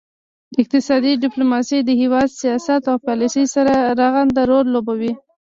اقتصادي ډیپلوماسي د هیواد سیاست او پالیسي سره رغند رول لوبوي